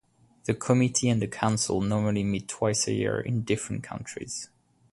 The Committees and the Council normally meet twice a year in different countries.